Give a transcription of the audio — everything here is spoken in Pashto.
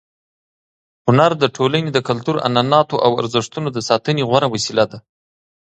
هنر د ټولنې د کلتور، عنعناتو او ارزښتونو د ساتنې غوره وسیله ده.